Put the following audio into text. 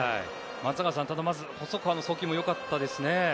松坂さん、細川の送球も良かったですね。